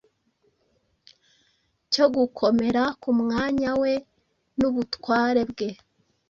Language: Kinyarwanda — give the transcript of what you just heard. cyo gukomera ku mwanya we n’ubutware bwe.